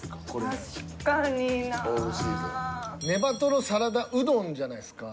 ねばとろサラダうどんじゃないすか？